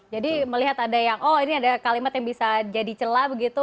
jadi melihat ada yang oh ini ada kalimat yang bisa jadi celah begitu